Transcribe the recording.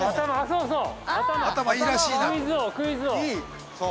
そうそう！